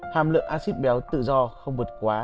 hàm lượng acid béo tự do không vượt quá